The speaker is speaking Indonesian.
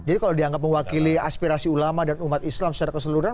jadi kalau dianggap mewakili aspirasi ulama dan umat islam secara keseluruhan